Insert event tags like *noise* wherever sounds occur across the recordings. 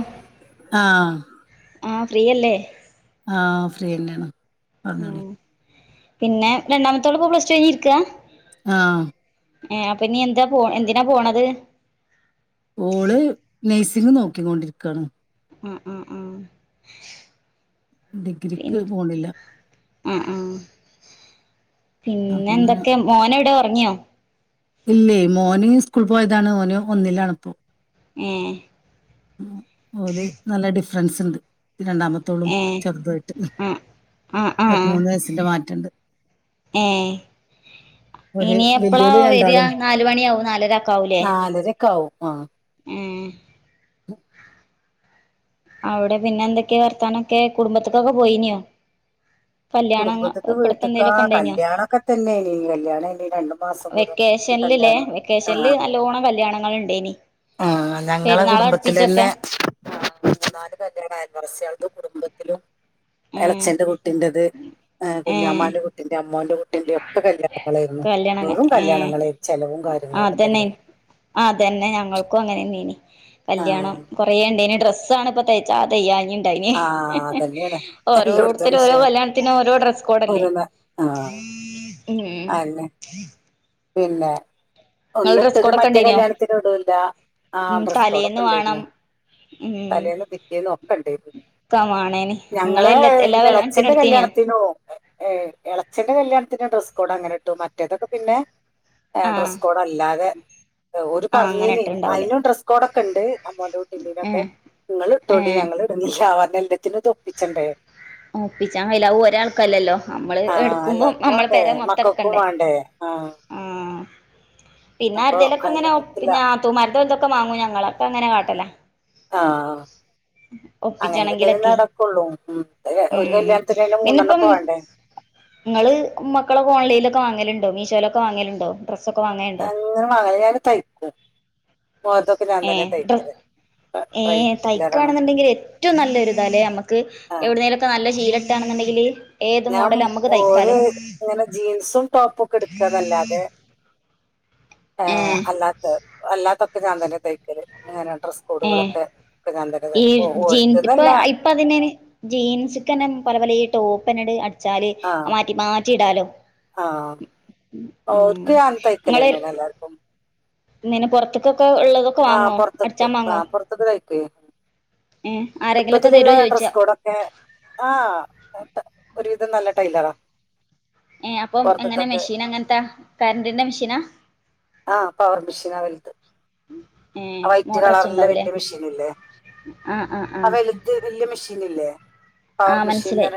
O ആ ആ ഫ്രീയല്ലേ ആ ഫ്രീ തന്നെയാണ് പറഞ്ഞോളി ഉം പിന്നെ രണ്ടാമത്തോളിപ്പം പ്ലസ് ടു കഴഞ്ഞിരിക്കാ ആം ഏ അപ്പൊ ഇനി എന്താ പോ എന്തിനാ പോണത് ഓള് നെയ്സിങ് നോക്കിക്കൊണ്ടിരിക്കുകാണ് ഉം ഉം ഉം ഡിഗ്രിക്ക് പോണില്ല ഉം ഉം അപ്പൊ പിന്നെ എന്തൊക്കെയ മോനെവിടെ ഉങ്ങിയോ ഇല്ല മോന് സ്കൂളി പോയതാണ് ഓന് ഒന്നിലാണിപ്പോ ഉം ഉം ഓല് നല്ല ഡിഫറൻസുണ്ട് രണ്ടാമത്തോളും ഏഹ് ചെറുതുവായിട്ട് ഉം ആഹ് പതിമൂന്ന് വയസിന്റെ മാറ്റണ്ട് ഏ ഒരു ഇനി എപ്പളാ വല്യോല് വരിയാ രണ്ടാളും നാല് മണിയ ആവും നാലരക്കാവൂലേ നാലരൊക്കെ ആവും ആഹ് ഉം *inaudible* അവിടെ പിന്നെ എന്തൊക്കെയാ വർത്താനൊക്കെ കുടുംബത്തക്കൊക്കെ പോയിനോ കുടുംബത്തിക്ക് വീട്ടക്കാ കല്യാണൊക്കെ തന്നെനി കല്യാണ ഇനി രണ്ടു മാസം മുറ *unintelligible* ല്ലേ വെക്കേഷനിൽ നല്ലോണം കല്യാണങ്ങ ഉണ്ട് ഇനി ആ ഞങ്ങളെ കുടുംബത്തിലല്ലെ മു നാല് കല്യാണം ആയിരുന്നു മസ്യ *unintelligible* കുടുംബത്തിലും ഉം എളച്ചന്റെ കുട്ടിന്റെത് ഏഹ് കുഞാമാന്റെ കുട്ടിന്റെ അമ്മോന്റെ കുട്ടി ട്ടിന്റെ ഒക്കെ കല്യാണങ്ങളായിരുന്നു കല്യാണം വെറും ഏ കല്യാണങ്ങളായി ചെലവും കാര്യങ്ങളൊക്കെ തന്നെയരുന്നു അ അതന്നെ എനിക്കും അങ്ങനനെയിനീ ആ കല്യാണം കുറേണ്ടേനി ഡ്രസ്സ് ആണ് ഇപ്പം തേയ് ച്ചാ തെയാ ഇൻണ്ടായിന് ആ അതന്നെയാണ് എല്ലായിടത്തും ഓരോരുത്തരും ഓരോ വിഷയം കല്യാണത്തിനും ഓരോ ഡ്രസ്സ് കോഡല്ലേ ഓരോന്ന് ആ ഹും ഹും അതന്നെ പിന്നെ ഒന്നിട്ടത് മറ്റേ ഇണ്ടേനോ കല്യാണത്തിന് ഇടുല്ല ആ ഉം ഡ്രസ്സ് കോഡ ഒക്കെ തലേന്ന് വാണം ഉണ്ടായിരുന്നു ഉം തലേന്നും പിറ്റേന്നും ഒക്കെ ഉണ്ടരുന്നു ഒക്കെ വാണേനി ഇങ്ങള് ഞങ്ങള് എല്ലാ എല്ലാ എന്റെ കല്യാണത്തിനും ഇളച്ഛന്റെ എടുത്തീനോ കല്യാണം ഇളച്ചന്റെ കല്യാണത്തിനോ ഡ്രസ്സ് കോഡ് അങ്ങനെ ഇട്ടോ മറ്റേതൊക്കെ പിന്നെ ആ ആഹ് ഡ്രസ് കോഡ് അല്ലാതെ ഒരു ആഹ് അങ്ങനെ പറഞ്ഞീന് ഇട്ട്ണ്ടാവൂലേ അയിതിനും ഡ്രസ് കോഡൊക്കെ ഉണ്ട് അമ്മോന്റെ കുട്ടീന്റെറെനൊക്കെ ഏഹ് നിങ്ങൾ ഇട്ടോടി ഏഹ് ഞങ്ങൾ ഇട്നീല്ല പറഞ്ഞു എല്ലാത്തിനും ഇത് ഒപ്പിക്കേണ്ട ഒപ്പിച്ചാൻ കഴിയില്ല അയ് ഒരാൾക്ക് അല്ലല്ലോ നമ്മള് ആ എടുക്കുമ്പോം എല്ലാവർക്കും നമ്മള വേണ്ടേ പരെ മൊത്തം മക്കൾക്കും എടുക്കണ്ടേ വേണ്ടേ ആ പിന്നെ അപ്പൊ അരിതലൊക്കെ അതിനെ അങ്ങനെ പറ്റില്ല പിന്നെ ആ നാത്തൂന്മാരത് ഓല ന്തൊക്കെ വാങ്ങും ഞങ്ങളൊക്കെ അങ്ങനെ കാട്ടല ആ അങ്ങനെയൊക്കെ തന്നെ ഒപ്പിച്ചാണെങ്കിലൊക്കെ നടക്കുള്ളൂ ഉ ഉം പിന്നെപ്പം നിങ്ങള് മക്കളെ ഓൺലൈനിൽ ഒക്കെ വാങ്ങൽ ഉണ്ടോ മീശോലൊക്കേ വാങ്ങലുണ്ടോ ഡ്രസ്സൊക്കെ വാങ്ങലുണ്ടോ അങ്ങനെ മകല് ഞാൻ ഞാൻ തൈക്കും മോളെതൊക്കെ ഞാൻ തന്നെ തൈക്കൽ ഏ തയ്ക്കാണെന്നുണ്ടെങ്കിൽ ഏറ്റവും നല്ലൊരുരിത അല്ലേ നമ്മുക്ക് ആ എവിടുന്നേുംഒ ക്കെ നല്ല ശീല കിട്ടാണുന്നുണ്ടെങ്കിൽ ഞാൻ ഓര ഇങ്ങനെ ജീൻസും ടോപ്പ് ഒക്കെ എടുക്കാനതല്ലാതെ ഏ ഏഹ് അല്ലാത്ത അല്ലാത്തൊക്കെ ഞാൻ തന്നെ തയ്ക്കല് അങ്ങനെ ഡ്രസ് ഏ കോഡുകളൊക്കെ ഒക്കെ ഞാൻ തന്നെ ഈ തരും ഓ ജീൻ ഇപ്പൊ ഓർക്ക്ന്നല്ല ഇപ്പ അതിന ജീൻസ്ക്കനെ പല പല ഈ ടോപ്പ് എന്നെട് അടിച്ചാല് മാറ്റി മാറ്റിയിടാലോ ആ ഓല്ക്ക് തയ്ക്കലനേ എല്ലാർക്കും ഇനെ പുൊറത്തക്കൊക്കെ ഉള്ളതൊക്കെ ആഹ് വാങ്ങോ അടിച്ചാൻ മാ ങ്ങോ ചെറുത്തിലുള്ള ഡ്രസ് കോഡൊക്കെ ആ ഒരുവിധം നല്ല ടൈലർആ ഏ അപ്പ എങ്ങനെ മെഷീൻ അങ്ങൻത്താ കരന്റിന്റെ മെഷീനാ ആഹ് പവർ മെഷീൻ ആ വൽത് ഏ ആവൈറ്റ് മോട്ടർ വെച്ചുണ്ടാവൂലേ കളറില്ലവല്യ മെഷീൻല്ലേ ആ വല്ത് വല്യ മെഷീൻല്ലേ ആ മനസ്സിലായി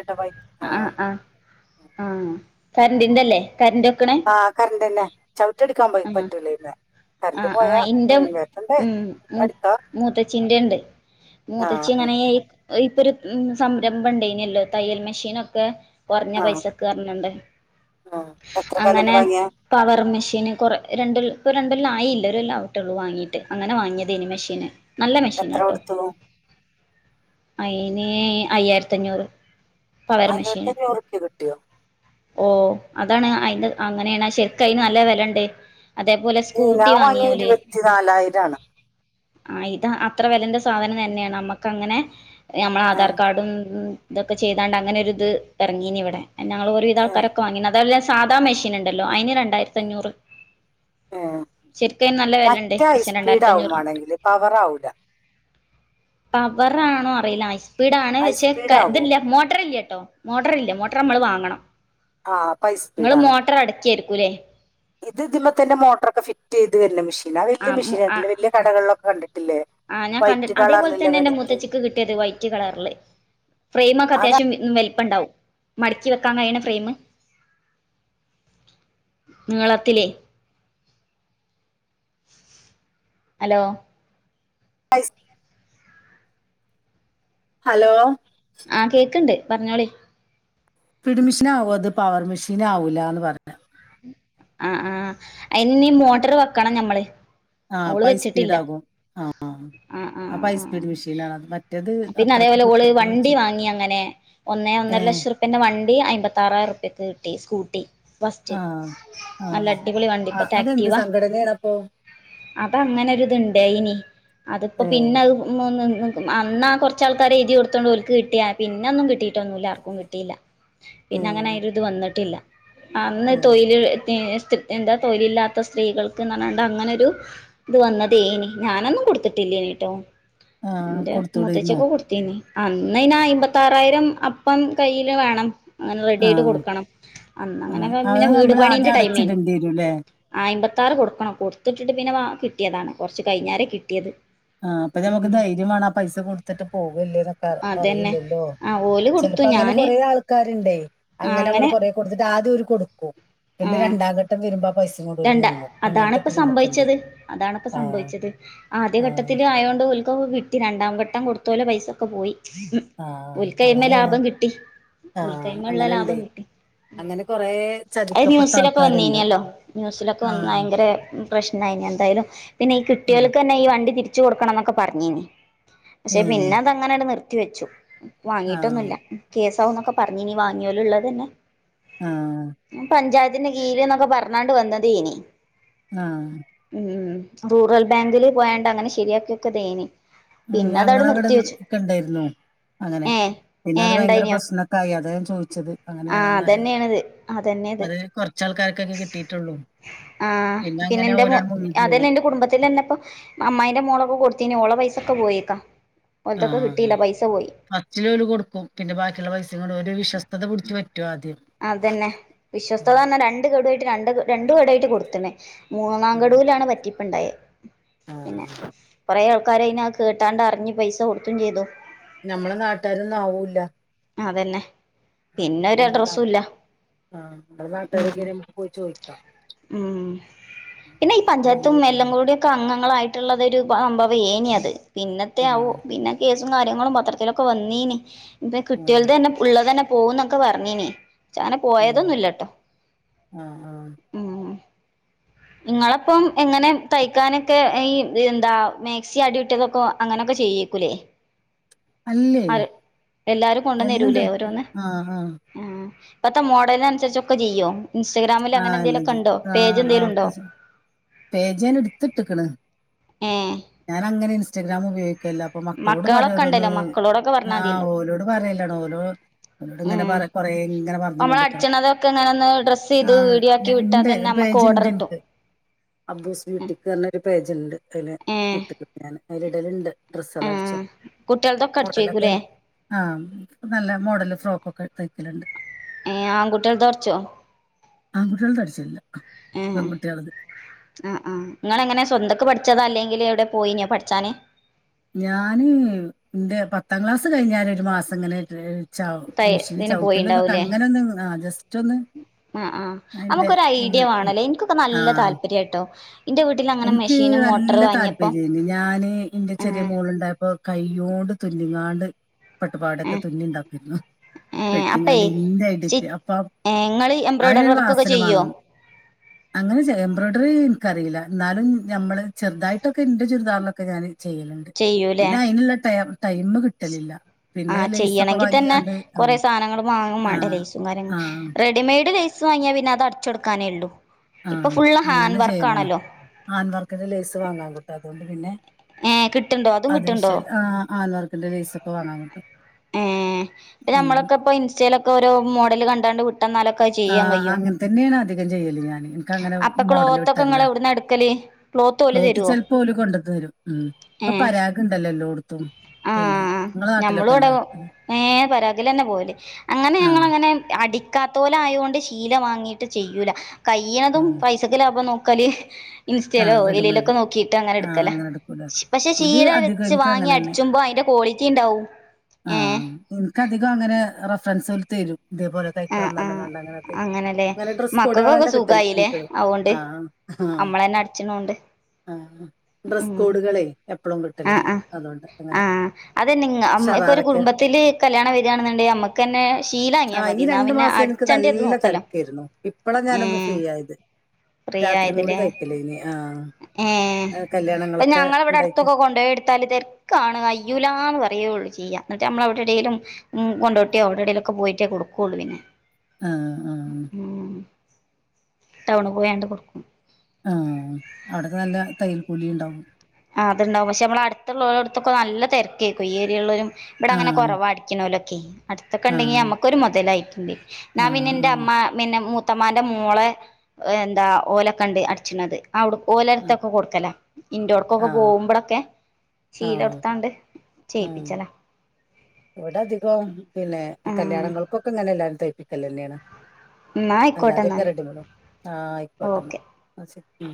ആ ആഹ് ആ ആ കരണ്ട്ന്റെല്ലേ ആ കരന്റന്നെ ചവിട്ടിട്ടിക്കാൻ പോ പറ്റൂലഅയ് മെ ആ ആ ഇന്റെ ഉം അടിക്കാ മൂത്തച്ചിന്റെ ണ്ട് മൂത്തച്ചി ആഹ് ആഹ് അങ്ങനെ ഇപ്പൊരു സംരംഭം ണ്ടായിനെല്ലോ തയ്യൽ മെഷീനൊക്കെ കുറഞ്ഞ ആഹ് പൈസക്ക് പറഞ്ഞോണ്ട് ആഹ് എത്രക്കാ എന്നിട്ട് അങ്ങനെ വാങ്ങിയ പവർ മെഷീന് കൊറ രണ്ട് ഇപ്പൊ രണ്ടല്ലാം ആയില്ല ഒരൊല്ല ആട്ടേള്ളൂ വാങ്ങീട്ട് അങ്ങനെ വാങ്ങ്യതേനി മെഷീന് നല്ല എത്ര മെഷീനാട്ടോ കൊടുത്തു അയിന് അയ്യായിരത്തഞ്ഞൂറ്. അയ്യായിരത്തഞ്ചുറുപ്യ കിട്ടിയോ? ഓഹ് അതാണ്. അയിന്റെ അങ്ങനെയാണ് ശെരിക്ക് അയിന് നല്ല വെലയൊണ്ടേ. അതേപോലെ ഉം, സ്കൂട്ടി ഞാൻ വാങ്ങിയ വാങ്ങിയോല് ഇരുപത്തി നാലായിരാണ് ആഹ് ഇത് അത്ര വെലേന്റെ സാധനം തന്നെയാണ്. നമ്മക്ക് അങ്ങനെ നമ്മള് ആധാർ ആഹ് കാർഡും ഇതൊക്കെ ചെയ്താണ്ട് അങ്ങനെ ഒരിത് എറങ്ങീനിവിടെ. ഞങ്ങള് ഒരു ഏഹ് വിധാൾക്കാരൊക്കെ വാങ്ങിനി. അതല്ല സാദാ മെഷീനുണ്ടല്ലോ അയിന് രണ്ടായിരത്തഞ്ഞൂറ്. ഏഹ് ശരിക്ക് അയ്ന് നല്ല വെലയൊണ്ടെ. മറ്റേ പക്ഷെ ഹൈസ്പീഡ് രണ്ടായിരത്തി ആവും അഞ്ഞൂറിനാ *unintelligible* വേണെങ്കില് പവർ ആവൂല പവർ ആണോ അറിയില്ല. ഹൈസ്പീഡാണ്. പക്ഷേ ഹൈസ്പീഡ് ക ആവോ ഇതില്ല മോട്ടറില്ലാ ട്ടോ. മോട്ടറില്ല. മോട്ടറ് നമ്മള് വാങ്ങണം. ആഹ് അപ്പൊ ഇങ്ങള് ഹൈസ്പീഡാണ് മോട്ടറ് അടക്കയായിരിക്കും അല്ലേ? ഇത് ഇതുമേ തന്നെ മോട്ടറൊക്കെ ഫിറ്റ് ചെയ്ത് വരുന്ന മെഷീനാ. വല്യ മെഷീനാ. വല്യ കടകളിലൊക്കെ കണ്ടി ആഹ് ഞാൻ കണ്ട്. അതേപോലെ തന്നെ എന്റെ വലുത് മൂത്തച്ചിക്ക് കിട്ടിയത് വൈറ്റ് കളറില് ഫ്രെയിമൊക്കെ അതാ അത്യാവശ്യം വലുപ്പൊണ്ടാവും. മടച്ചി വെക്കാൻ കഴിയണ ഫ്രെയിമ്. നീളത്തിലേ ഹലോ പൈസ് ഹലോ ആഹ് കേക്ക്ണ്ട് പറഞ്ഞോളി. ഫീഡ് മെഷീൻ ആവും. അത് പവർ മെഷീൻ ആവൂലാന്ന് പറഞ്ഞ? ആ ആഹ അയിന് മോട്ടർ വെക്കണം ഞമ്മള്. ആഹ ഓള് ഹൈ സ്പീഡ് വെച്ചിട്ടില്ല ആകും ആഹ. ആ ആ ആ പിന്നെ അത്രക്ക് അതേപോലെ ഓള് കിട്ടുന്നത് വെച്ച വണ്ടി വാങ്ങി അങ്ങനെ ഒന്നേ. ഏ ഒന്നര ലക്ഷം റുപ്യന്റെ വണ്ടി അമ്പത്തിറായിരം ഉർ പ്യക്ക് കിട്ടി സ്കൂട്ടി ഫസ്റ്റ്. ആഹ് നല്ല ആഹ് അടിപൊളി ആ വണ്ടിപ്പത്തെ അതെന്ത് ആക്റ്റീവ. സംഘടനയാണ് അപ്പൊ അത അങ്ങനെ ര് ത്ണ്ടായിനി അതിപ്പോ ഏ പിന്നെ അത് മൊ അന്നാ കൊറച്ചാൾക്കാര് എഴുതി കൊടുത്തോണ്ട് ഒല്ക്ക് കിട്ടിയാ പിന്നൊന്നും കിട്ടിട്ടൊന്നുല്ല ആർക്കും കിട്ടില്ല. ഏ പിന്നെ അങ്ങനെ ആയിന്റെത് വന്നിട്ടില്ല അന്ന് ഏ തൊഴയില് എന്താ തൊഴിലില്ലാത്ത സ്ത്രീകൾക്ക് ന്ന ഞ്ഞാണ്ട്ടാ അങ്ങനെരു ഇത് വന്നതേനി ഞാനന്നും കൊടുത്തിട്ടില്ലനിട്ടോ ആഹ് എന്റെ കൊടുത്തൂടായിരുന്നോ മുത്തച്ചൊക്കെ കൊടുത്തിനി. അന്ന് അയ്നാ അമ്പത്താറായിരം അപ്പം കയ്യില് വേണം. അങ്ങനെ റെഡി ആയിട്ട് ആഹ് കൊടുക്കണം അന്ന് അങ്ങനെക്കെ പിന്നെ വീട് പണീന്റെ *unintelligible* ടണ്ടിരൂല്ലേ. അമ്പത്താറ് കൊടുക്കണം കൊടുത്തിട്ടിട്ട് പിന്നെ വ കിട്ടിയതാണ് കുറച്ച് കഴിഞ്ഞേരം കിട്ടിയത്. ആഹ അപ്പൊ ഞമ്മുക്ക് ഉം ധൈര്യം വേണം പൈസ കൊടുത്തിട്ട് പോകല്ലേ എന്നൊക്കെ അതന്നെ അറിയില്ലല്ലോ. ആ ഓല് കൊടുത്തു ചിലപ്പോ അങ്ങനെ ഞാന് കൊറെ ആൾക്കാരുണ്ടേ അങ്ങനെ നമ്മള് കൊറ കൊടുത്തിട്ട് ആദ്യംര് കൊടുക്കും. ആ പിന്നെ രണ്ടാംഘട്ടം വരുമ്പോ പൈസയും കൊണ്ട് ഒരു രണ്ട മുങ്ങും അങ്ങനത്തെ അതാണിപ്പ ടീമൊക്ക ഉണ്ട് സംഭവിച്ചത് ആഹ. ത്തി ആ യോണ്ട് ഓൽ കോക്കെ കിട്ടി രണ്ടാംഘട്ടം കൊടുത്തോലെ പൈസൊക്കെ പോയി. ആഹ് ഓൽക് കൈമേ അങ്ങനെയാണ് ലാഭം കിട്ടി. ആഹ് ഒരുതൈ്മ ഉള്ള അങ്ങനെണ്ട് ലാഭം കിട്ടി അങ്ങനെ കൊറേ ചതിക്കപ്പെട്ട ന്യൂസൊക്കെ ആൾക്കാരുണ്ട് വന്നീനല്ലോ ന്യൂസിലൊക്കെ വന്ന ആഹ് ഭയങ്കര പ്രശ്നമായി എന്തായാലും പിന്നെ ഈ കുട്ടി. ആഹ് ൾക്ക് തന്നെ ഈ വണ്ടി തിരിച്ചു കൊടുക്കണം എന്നൊക്കെ പറഞ്ഞീന്ന് പക്ഷെ ഏഹ് പിന്നെ അത് അങ്ങനെ നിർത്തി വെച്ചു. ആഹ് വാങ്ങീട്ടൊന്നുമില്ല കേസാവന്നൊക്കെ പറഞ്ഞഞ് നീ വാങ്ങിയലും ഉള്ളത് തന്നെ. ആഹാ. പഞ്ചായത്തിന്റെ കീരം എന്നൊക്കെ പറഞ്ഞോണ്ട് വന്നത് ഇനി ആഹ് ഉം. റൂറൽ ബാങ്കില് പോയാണ്ട് അങ്ങനെ ശരിയാക്കിയൊക്കെ *unintelligible* ഉം ഞങ്ങളവിടെ കണ്ടായിരുന്നു അങ്ങനെ ഏ പിന്നെ ഏ അത് ഭയങ്കര ഇണ്ടായിനോ പ്രശ്നവൊക്കെ ആയി അതാ ഞാൻ ചോദിച്ചത് ആ അങ്ങനെയാണോന്നറിയാൻ അതന്നെയാണിത് അത് കുറച്ച് ആൾക്കാർക്കൊക്കെയെ കിട്ടിയിട്ടുള്ളൂ ആഹ് പിന്നെ അങ്ങനെ എന്റെ ഓലാണ്ട് മുങ്ങിപ്പോവും അതല്ലാ എന്റെ കുടുംബത്തിൽ തന്നെ ഇപ്പൊ അമ്മായിന്റെ മോളൊക്കെ കൊടു ത്തിന് ഓളുടെ പൈസയൊക്കെ പോയേക്ക ഓളുടേതൊക്കെ ആഹ് കിട്ടീല്ല പൈസ പോ ഫസ്റ്റില് ഓല് കൊടുക്കും പിന്നെ ബാക്കിയുള്ള പൈസയും കൊണ്ട് ഓന്റെ വിശ്സ്തത പിടിച്ച് പറ്റുവാ ആദ്യം അത് തന്നെ വിശ്വസ്ത പറഞ്ഞ രണ്ട് ഗഡുവായിട്ടാ രണ്ട് രണ്ട് ഗഡുവായിട്ടാ കൊടുക്കുന്നേ മൂന്നാം ഗഡു ആഹ് വിലാണ് പറ്റിപ്പു ണ്ടായെ പിന്നെ കൊറേ ആൾക്കാര് അതിന് കേട്ടാണ്ട് അറിഞ്ഞ് പൈസ കൊടുക്കുകയും ചെയ്തു നമ്മടെ നാട്ടാരൊന്നും ആവൂല്ല അതന്നെ പിന്നെ ഒരു അഡ്രസ്സും ഇല്ല ആ നമ്മടെ നാട്ടുകാരൊക്കെ നമ്മക്ക് പോയി ചോദിക്കാം ഉം പിന്നെ ഈ പഞ്ചായത്തും എല്ലാം കൂടി ഒക്കെ അംഗങ്ങളായിട്ട് ഉള്ളതൊരു *unintelligible* പിന്നത്തെ ആഹ് *unintelligible* പിന്നെ കേ സും കാര്യങ്ങളും പത്രത്തിലൊക്കെ വന്നീന് ഇന്റെ ആഹ് കെട്ടിയോളുടേതാണ് പുള്ളയുടേതാണ് പോകൂന്നൊക്കെ പറഞ്ഞീന് പക്ഷേ അങ്ങനെ ഏഹ് പോയതൊന്നുമില്ലാട്ടോ ആഹ് ആഹ് ഉം നിങ്ങളപ്പം എങ്ങനെ തയ്ക്കാനൊക്കെ ഈ എന്താ മാക്സി അടി ഇട്ട് വെക്കുവോ അങ്ങനെയൊക്കെ ചെയ്യൂക്കല്ലേ അല്ലേ അ എല്ലാരും കൊണ്ടെന്ന് എല്ലാം തരൂലേ തയ്ക്കും ഓരോന്ന് ആഹ് ആഹ് ആ ഇപ്പത്തെ മോഡലിനനുസരിച്ചൊക്കെ ചെയ്യും ഇൻസ്റ്റാഗ്രാമിൽ അങ്ങനെ ആഹ് എല്ലാം എന്തേലുമൊക്കെ ചെയ്യും ഉണ്ടോ പേജ് ആഹ് എന്തേലും ആഹ് ഉണ്ടോ ഒക്കെ പേജ് ഞാൻ എടുത്തിട്ടക്കണ് ഏഹ് ഞാൻ അങ്ങനെ ഇൻസ്റ്റഗ്രാം ഉപയോ ക്കില്ല അപ്പൊ മക്കളോട് പറയും മക്കളൊക്കെ ഓരോന്ന് ഉണ്ടല്ലോ മക്കളോടൊക്കെ ആ് പറഞ്ഞാൽ മതിയല്ലോ ഓലോട് പറയലാണ് ഓരോ ഓലോട് ഇങ്ങനെ ഉം പറ കൊറേ ഇങ്ങനെ പറഞ്ഞ് നമ്മൾ കൊണ്ടക്കണം അടിച്ചണതൊക്കെ ഇങ്ങനെ ഒന്ന് ഡ്രസ്സ് ആ ചെയ്ത് വീഡിയോ ഞ ആക്കി വിട്ടാൽ ഇണ്ട് തന്നെ ഒരു നമുക്ക് ഓർഡർ *unintelligible* *inaudible* അബ്ബൂസ് ബ്യൂട്ടിക്ക് പറഞ്ഞൊരു പേജുണ്ട് അതില് ഏഹ് *unintelligible* ഞാന് അതില് ഇടലുണ്ട് ഡ്രസെല്ലാം അടിച്ച ആഹ് കുട്ടികൾതൊക്കെ മോഡലൊക്കെ അടിച്ചേക്കൂലേ ആ നല്ല മോഡല് ഫ്രോക്കൊക്കെ തയ്ക്കലുണ്ട് ഏ ആൺ കുട്ടികളുടെ തരിച്ചോ ആൺകുട്ടികളുടേത്‌ തരിച്ചിലില്ല പെൺകുട്ടികളുടേത്‌ ആ ആ നിങ്ങൾ എങ്ങനാ സ്വന്തൊക്ക് പഠിച്ചോ അതോ അല്ലെങ്കിൽ എവിടെ പോയിനോ പഠിച്ചാന് ഞാന് എന്റെ പത്താം ക്ലാസ് കഴിഞ്ഞാല് ഒരു മാസം ഇങ്ങനെ ച തൈ മെഷീന് ഇതിന് ചവിട്ടല ഇതൊക്കെ പോയിണ്ടാവൂലേ അങ്ങനെ ഒന്ന് ആ ജസ്റ്റ് ഒന്ന് ആ ആ അതിന്റെ നമുക്കൊരു ഇത് ഐഡിയ വേണല്ലേ എനിക്കിപ്പോ നല്ല ആഹ് താല്പര്യവാ കേട്ടോ എനിക്ക് നല്ല താല്പര്യണ്ട് ഞാന് എന്റെ ചെറിയ ഏഹ് മോളുണ്ടായപ്പോ കൈയോണ്ട് തു ന്നങ്ങാണ്ട് പട്ടുപാവാടൊക്കെ ഏഹ് തുന്നി ഉണ്ടാക്കുവാരുന്നു ഏഹ് അപ്പേ സ്റ്റി *unintelligible* ഏഹ് ഇങ്ങള് എംബ്രോയ്ഡറി അതിനൊരു വർക്കൊക്കെ വാസന ചെയ്യോ വേണം അങ്ങനെ ചെ എംബ്രോയിഡറി എനിക്ക് അറിയില്ല എന്നാലും നമ്മള് ചെറുതായിട്ടൊക്കെ എ ന്റെ ചുരിദാറിലൊക്കെ ഞാന് ചെയ്യലുണ്ട് പിന്നെ അയിനുള്ള ടൈം കിട്ടലില്ല ആ പിന്നെ ലേസൊക്കെ ചെയ്യണങ്കിൽ തന്നെ വാങ്ങിയാണ്ട് ആ കൊറേ സാധനങ്ങൾ വാങ്ങും വേണ്ടേ ആഹ് ലേസും കാര്യങ്ങള് ആഹ് റെഡിമെയ്ഡ് ലേസ് വാങ്ങിയാൽ പിന്നെ അത് അടച്ചെടുക്കാനേ ഉള്ളു ആ അങ്ങനെ ചെയ്യലാണ് ആന്വർക്ക്ന്റെ ലേസ് വാങ്ങാൻ ലേസ് അതുകൊണ്ട് പിന്നെ ഏഹ് കിട്ടുണ്ടോ അതും അത് കിട്ടുണ്ടോ ഇശല് ആ *unintelligible* ലൈസൊക്കെ വാങ്ങാൻ കിട്ടും ഏ ഇപ്പൊ ഉം നമ്മളൊക്കെ ഇപ്പോ ഇൻസ്റ്റയിലൊക്കെ ഓരോ മോഡല് കണ്ടാണ്ട് വി ആ അങ്ങനെ തന്നെയാണ് അധികം ചെയ്യല് ഞാന് എനിക്കങ്ങനെ അപ്പൊ മോഡല് ക്ലോത്തൊക്കെ വെട്ടാറില്ല ഇങ്ങള് എവിടുന്നാ എടുക്കല് ഓല് ക്ലോത്ത് തരുവോ ചെലപ്പോ ഓല് കൊണ്ടത്തരും ഉം ഇപ്പൊ പരാഗ് ഉണ്ടല്ലോ എല്ലോടത്തും ആ പിന്നെ നിങ്ങളെ ഞമ്മളും അവിടെ നാട്ടിലൊക്കെല്ലേ ഏ പരാദലന്നെ പോവല് അങ്ങനെ ആഹ് ഞങ്ങളങ്ങനെ അടിക്കാത്തോ ലായോണ്ട് ശീല വാങ്ങീട്ട് ചെയ്യൂല കയ്യണതും ആഹ് പൈസക്ക് ലാഭാ നോക്കല് ഇൻസ്റ്റയിലോ ആഹ് റെഡിമെയ്ഡ് എയിലേലൊക്കെ നോക്കിയിട്ട് അങ്ങനെ ആഹ് എടുക്കലാ എടുക്കൂലേ പക്ഷെ ഇത് ശീല അധികം എനിക്ക് വാങ്ങി അങ്ങനെന്നെ അടിച്ചുമ്പോ അയിന്റെ ക്വാളിറ്റിണ്ടാവും ഏ ഫ്രെണ്ട്സോല് തരും ഇതേപോലെ തയ്ക്കണന്നറിഞ്ഞ് കാണ്ട് അങ്ങനെ തരും അങ്ങനെല്ലേ നല്ല ഡ്രസ്സ് മക്കൾക്കൊക്കെ കോടുകളൊക്കെ കിട്ടൂല്ലേ സുഖായില്ലേ നിങ്ങൾക്ക് അതുകൊണ്ട് ആ നമ്മളന്നെ അടിച്ചണ കൊണ്ട് അ ആ ഡ്രസ് കോഡുകളെ എപ്പളും കിട്ടലുണ്ട് ആആ അതുകൊണ്ട് അങ്ങനെ ആഅതെ നിങ്ങ ഉം ഇപ്പൊരു ഷറാറൊക്കെ കുടുംബത്തില് കല്യാണം വെരാണ്ന്ന്ണ്ടെ നമ്മക്കെന്നെ ശീലാങ്ങിയാ ആഹ് ഈ മതി ന്നാ രണ്ടു പിന്നെ മാസം എനിക്ക് അടിച്ചണ്ടത് നല്ല നോക്കല്ലാ തിരക്കായിരുന്നു ഇപ്പളാ ഞാനൊന്ന് ഫ്രീ ആയത് ഫ്രീയായദ്ലേ ആ അ കല്ല്യാ അയിന് ഞങ്ങളവിടെ അടുത്തൊക്കെ കൊണ്ടോയെടുത്താല് തെരക്കാണ് അയ്യൂലാന്ന് പറയുള്ളൂ ചിയ്യാ ന്നിട്ട്മ്മള് അവിടെടേലും ഉം കൊണ്ടോട്ട്യോ അവിടെടേലൊക്കെ പോയിട്ടേ കൊടുക്കുള്ളൂ പിന്നെ ആഹ് ആഹ് ഉം ടൗണു പോയാണ്ട് കൊടുക്കും ആ അവിടത്തെ നല്ല തയ്യൽ കൂലിണ്ടാവും ആ അത്ണ്ടാകും പക്ഷെമ്മള് അടുത്തുള്ളോരട്ത്തൊക്കെ നല്ല തെര ക്കേക്കു ഈ ഏരിയള്ളൂര് ഇവിടങ്ങനെ ആഹ് കൊറവാ അടിക്കണോലൊക്കെ അടുത്തൊക്കെണ്ടെങ്കി ആഹ് അമ്മക്കൊരു മൊതലായിട്ട്ണ്ട് ന്നാ ആഹ് ആഹ് പിന്നെന്റെഅമ്മ പിന്നെ മൂ ത്തമ്മാന്റെ മോളെ എന്താ ഓലൊക്കെണ്ട് അടിച്ചിണത് അവുട് ഓലട്ത്തൊക്കെ കൊടുക്കലാ ആഹ് ഇൻ്റോഡ്‌കോക്കെ ആഹ് പോകുമ്പളൊക്കെ ശീല ആഹ് കൊടുത്താണ്ട് ഉം ചെയ്യിപ്പിച്ചലാ ഇവിടെ അധികോം പിന്നെ ആ കല്യാണങ്ങൾക്കൊക്കെ ഇങ്ങനെല്ല തയ്പിക്കലെന്നെണ് എന്നാ ആയിക്കോട്ടെ അല്ലാതെ എന്നാല് *unintelligible* ആ അയിക്കോട്ടന്ന ഓക്കെ ന്നാ ശ ഉം